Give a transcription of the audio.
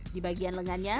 di bagian lengannya